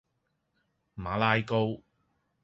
馬拉糕